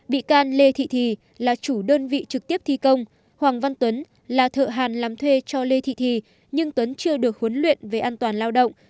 bị can lê thị thì là chủ đơn vị trực tiếp thi công hoàng văn tuấn là thợ hàn làm thuê cho lê thị thì nhưng tuấn chưa được huấn luyện về an toàn lao động